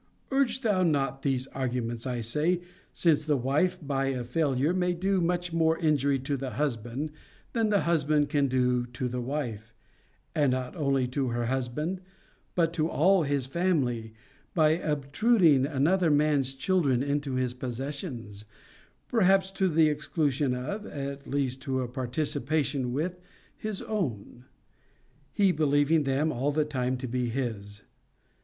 Urge thou not these arguments, I say, since the wife, by a failure, may do much more injury to the husband, than the husband can do to the wife, and not only to her husband, but to all his family, by obtruding another man's children into his possessions, perhaps to the exclusion of (at least to a participation with) his own; he believing them all the time to be his.